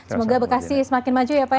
semoga bekasi semakin maju ya pak